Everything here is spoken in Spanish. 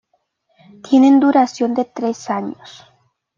Tiene duración de tres años.